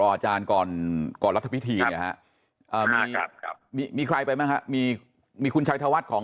อาจารย์ก่อนก่อนรับธรรมิธีมีไม่ใครไปมั้งมีมีคุณชักทวัฒน์ของ